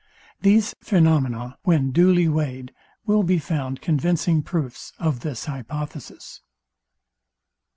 These phaenomena, when duly weighed, will be found convincing proofs of this hypothesis.